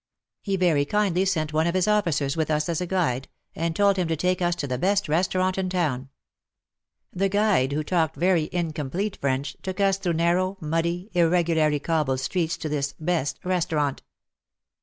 He very kindly sent one of his officers with us as guide, and told him to take us to the best restaurant in the town. The guide, who talked very incomplete French, took us through nar row, muddy, irregularly cobbled streets to this " best restaurant."